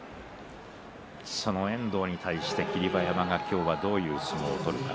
その遠藤に対して霧馬山が今日はどういう相撲を取るか。